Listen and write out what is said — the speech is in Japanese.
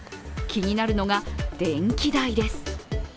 気になるのが、電気代です。